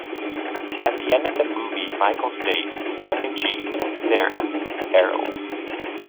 At the end of the movie, Michael states, tongue in cheek, Sarah, Harold.